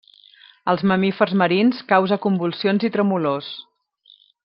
Als mamífers marins causa convulsions i tremolors.